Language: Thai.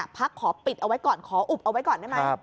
พักขอปิดเอาไว้ก่อนขออุบเอาไว้ก่อนได้ไหม